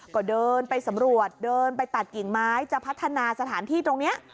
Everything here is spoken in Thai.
ก็เดินไปสำรวจเดินไปตัดกิ่งไม้จะพัฒนาสถานที่ตรงนี้